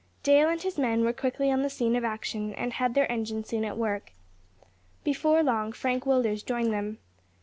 Dale and his men were quickly on the scene of action, and had their engine soon at work. Before long, Frank Willders joined them.